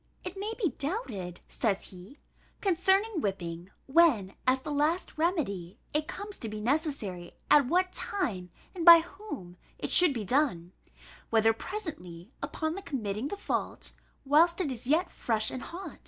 "It may be doubted," says he, "concerning whipping, when, as the last remedy, it comes to be necessary, at what time, and by whom, it should be done; whether presently, upon the committing the fault, whilst it is yet fresh and hot.